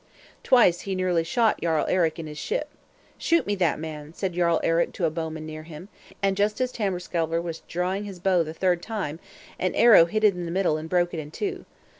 Twice he nearly shot Jarl Eric in his ship. "Shoot me that man," said Jarl Eric to a bowman near him; and, just as Tamberskelver was drawing his bow the third time, an arrow hit it in the middle and broke it in two.